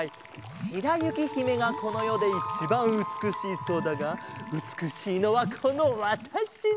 しらゆきひめがこのよでいちばんうつくしいそうだがうつくしいのはこのわたしだ。